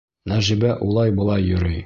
Нәжибә улай-былай йөрөй.